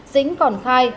dĩnh còn khai